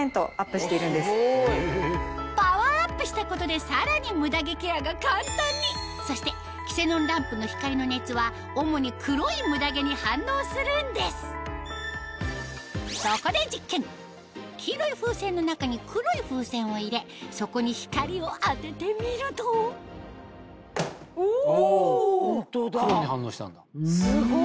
パワーアップしたことでさらにムダ毛ケアが簡単にそしてキセノンランプの光の熱はそこで黄色い風船の中に黒い風船を入れそこに光を当ててみるとお！